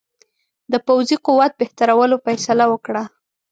د پوځي قوت بهترولو فیصله وکړه.